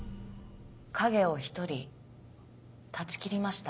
影を１人断ち切りました。